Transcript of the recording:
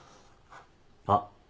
あっ。